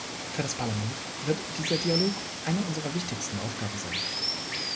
Für das Parlament wird dieser Dialog eine unserer wichtigsten Aufgaben sein.